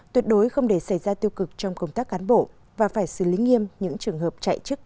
tuyệt đối không để xảy ra tiêu cực trong công tác cán bộ và phải xử lý nghiêm những trường hợp chạy chức